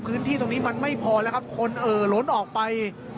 พื้นที่ตรงนี้มันไม่พอแล้วครับคนเอ่อล้นออกไป